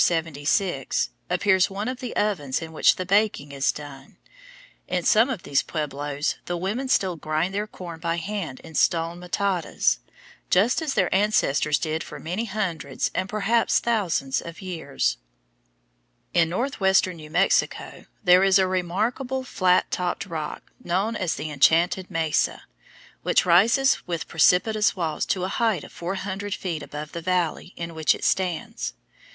76) appears one of the ovens in which the baking is done. In some of these pueblos the women still grind their corn by hand in stone matates, just as their ancestors did for many hundreds and perhaps thousands of years. [Illustration: FIG. 79. POTTERY OF THE ACOMA INDIANS, NEW MEXICO] In northwestern New Mexico there is a remarkable flat topped rock known as the Enchanted Mesa, which rises with precipitous walls to a height of four hundred feet above the valley in which it stands.